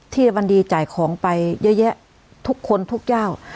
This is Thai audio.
ที่มันดีจ่ายของไปเยอะแยะทุกคนทุกเจ้า